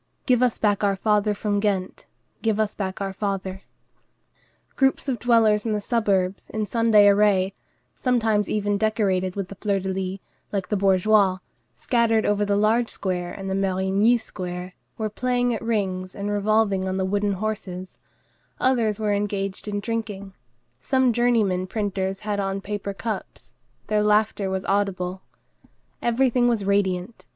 "Give us back our father from Ghent, Give us back our father." Groups of dwellers in the suburbs, in Sunday array, sometimes even decorated with the fleur de lys, like the bourgeois, scattered over the large square and the Marigny square, were playing at rings and revolving on the wooden horses; others were engaged in drinking; some journeyman printers had on paper caps; their laughter was audible. Everything was radiant.